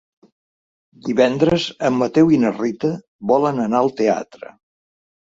Divendres en Mateu i na Rita volen anar al teatre.